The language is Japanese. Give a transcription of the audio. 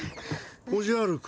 おじゃる君？